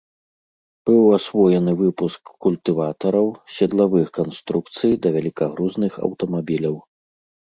Быў асвоены выпуск культыватараў, седлавых канструкцый да велікагрузных аўтамабіляў.